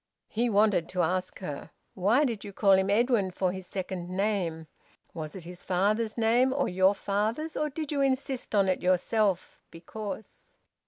He wanted to ask her, "Why did you call him Edwin for his second name? Was it his father's name, or your father's, or did you insist on it yourself, because